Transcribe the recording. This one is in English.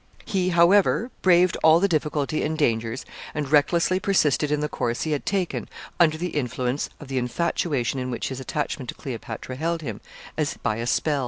He, however, braved all the difficulty and dangers, and recklessly persisted in the course he had taken, under the influence of the infatuation in which his attachment to Cleopatra held him, as by a spell.